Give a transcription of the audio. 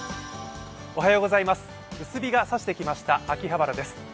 薄日が差してきました秋葉原です。